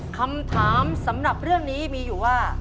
คำถามสำหรับเรื่องนี้มีอยู่ว่า